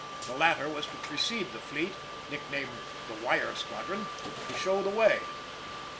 The latter was to precede the fleet nicknamed the Wire Squadron to show the way.